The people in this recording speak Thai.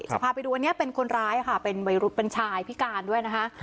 จะพาไปดูอันนี้เป็นคนร้ายค่ะเป็นวัยรุ่นเป็นชายพิการด้วยนะคะ